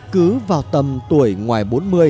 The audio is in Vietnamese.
cứ vào tầm tuổi ngoài bốn mươi